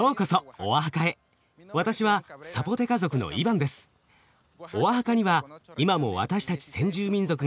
オアハカには今も私たち先住民族が多く暮らしています。